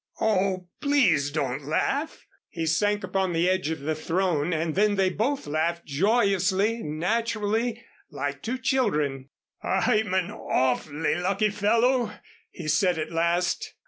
"Oh, please don't laugh." He sank upon the edge of the throne, and then they both laughed joyously, naturally, like two children. "I'm an awfully lucky fellow," he said, at last.